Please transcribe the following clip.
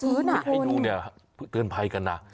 ให้ดูเนี่ยเตือนภัยกันนะ